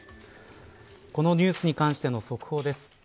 このニュースに関しての速報です。